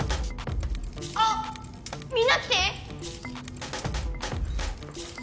あっみんな来て！